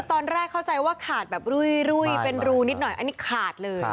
ตอนแรกเข้าใจว่าขาดแบบรุยเป็นรูนิดหน่อยอันนี้ขาดเลย